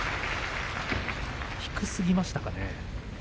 低すぎましたかね。